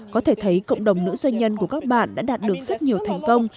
có thể thấy cộng đồng nữ doanh nhân của các bạn đã đạt được rất nhiều thành công